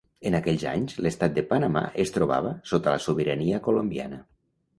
En aquells anys l'Estat de Panamà es trobava sota la sobirania colombiana.